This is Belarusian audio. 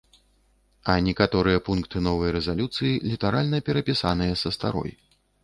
А некаторыя пункты новай рэзалюцыі літаральна перапісаныя са старой.